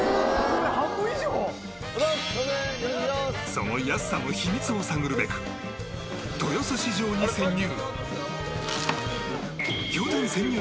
その安さの秘密を探るべく豊洲市場に潜入！